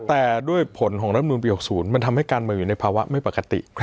แต่ด้วยผลของรัฐมนุนปี๖๐มันทำให้การเมืองอยู่ในภาวะไม่ปกติ